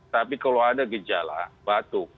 tapi kalau ada gejala batuk